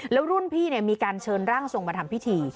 แล้วรุ่นพี่มีการเชิญร่างทรงมาทำพิธี